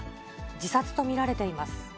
自殺と見られています。